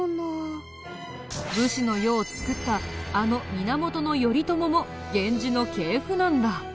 武士の世を作ったあの源頼朝も源氏の系譜なんだ。